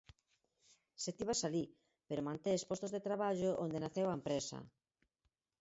Se ti vas alí, pero mantés postos de traballo onde naceu a empresa.